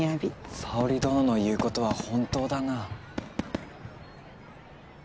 沙織殿の言うことは本当だな。